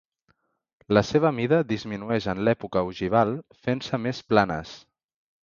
La seva mida disminueix en l'època ogival, fent-se més planes.